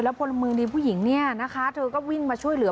แล้วผลมือในผู้หญิงนะคะเธอก็วิ่งมาช่วยเหลือ